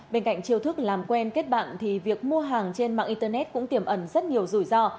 bên cạnh chiêu thức làm quen kết bạn thì việc mua hàng trên mạng internet cũng tiềm ẩn rất nhiều rủi ro